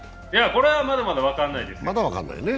これはまだまだ分からないですよ。